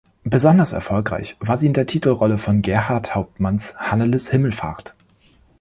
Besonders erfolgreich war sie in der Titelrolle von Gerhart Hauptmanns "Hanneles Himmelfahrt".